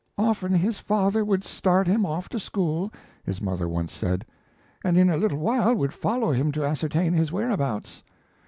"Often his father would start him off to school," his mother once said, "and in a little while would follow him to ascertain his whereabouts.